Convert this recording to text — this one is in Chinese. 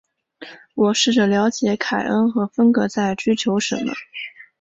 我试着了解凯恩和芬格在追求什么。